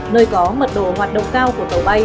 nơi có mật độ hoạt động cao của tổ bay